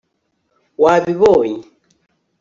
wabibonye